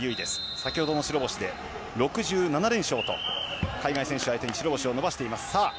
先ほども白星で６７連勝と海外選手相手に白星を伸ばしています。